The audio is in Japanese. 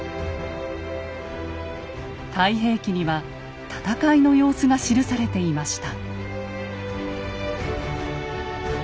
「太平記」には戦いの様子が記されていました。